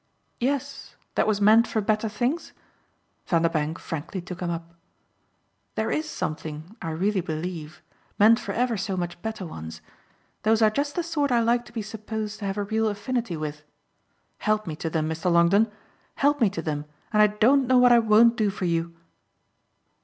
"Yes, that was meant for better things?" Vanderbank frankly took him up. "There IS something, I really believe meant for ever so much better ones. Those are just the sort I like to be supposed to have a real affinity with. Help me to them, Mr. Longdon; help me to them, and I don't know what I won't do for you!"